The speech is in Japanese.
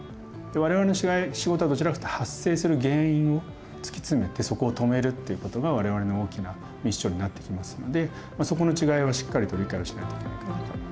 我々の仕事はどちらかというと発生する原因を突き詰めてそこを止めるっていうことが我々の大きなミッションになってきますのでそこの違いをしっかりと理解をしないといけないかなと思ってますね。